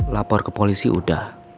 lapor ke polisi udah